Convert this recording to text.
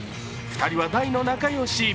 ２人は大の仲良し。